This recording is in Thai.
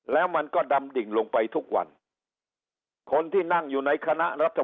แล้วมันก็ดำดิ่งลงไปทุกวันคนที่นั่งอยู่ในคณะรัฐ